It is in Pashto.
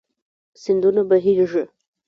سيندونه بهيږي